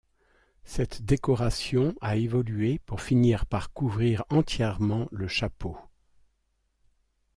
Cette décoration a évolué pour finir par couvrir entièrement le chapeau.